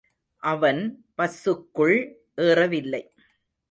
அவன் பஸ்ஸுக்குள் ஏறவில்லை.